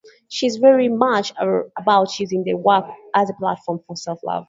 She's very much about using the work as a platform for self-love.